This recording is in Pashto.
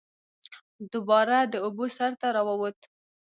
دوباره د اوبو سر ته راووت